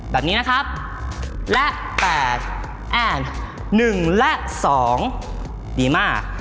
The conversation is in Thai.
แบบนี้นะครับและ๘แอน๑และ๒ดีมาก